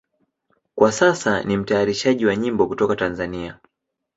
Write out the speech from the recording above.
Kwa sasa ni mtayarishaji wa nyimbo kutoka Tanzania.